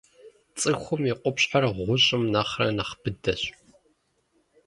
Цӏыхум и къупщхьэр гъущӀым нэхърэ нэхъ быдэщ.